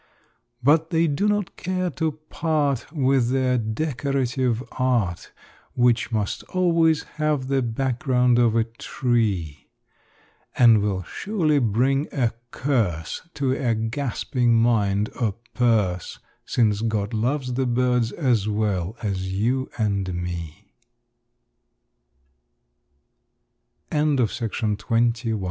But they do not care to part With their decorative art, Which must always have the background of a tree; And will surely bring a curse To a grasping mind or purse, Since God loves the birds as well as you and me. BIRDS THAT DO NOT SING.